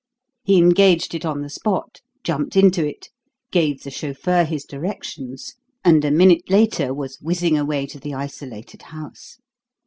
He engaged it on the spot, jumped into it, gave the chauffeur his directions, and a minute later was whizzing away to the isolated house.